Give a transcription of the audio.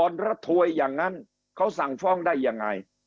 ระถวยอย่างนั้นเขาสั่งฟ้องได้ยังไง